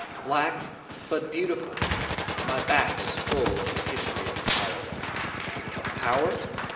Black but beautiful, my back is full of the history of power. Of power?